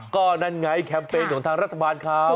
ก็นั่นไงแคมเปญของทางรัฐบาลเขา